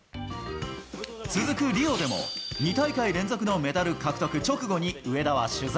続くリオでも、２大会連続のメダル獲得直後に上田は取材。